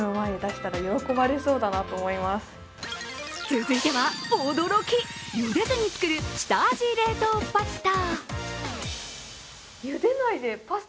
続いては、驚き茹でずに作る下味冷凍パスタ。